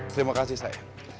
terima kasih sayang